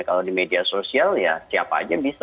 kalau di media sosial ya siapa aja bisa